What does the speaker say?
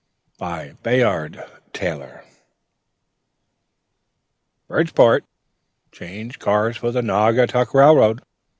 BY BAYARD TAYLOR "Bridgeport! Change cars for the Naugatuck Railroad!"